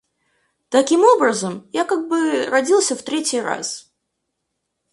Таким образом, я как бы родился в третий раз.